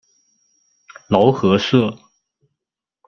劳合社。